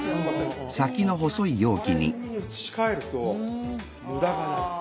これに移し替えると無駄がない。